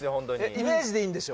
イメージでいいんでしょ？